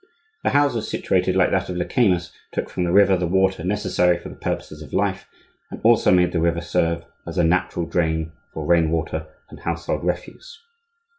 The houses situated like that of Lecamus took from the river the water necessary for the purposes of life, and also made the river serve as a natural drain for rain water and household refuse.